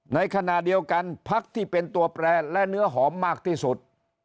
ในขณะเดียวกันพักที่เป็นตัวแปรและเนื้อหอมมากที่สุด